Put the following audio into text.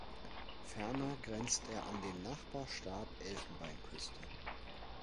Ferner grenzt er an den Nachbarstaat Elfenbeinküste.